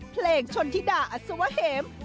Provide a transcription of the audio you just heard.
เพลงชนธิดาอสวเหมก็กลับมา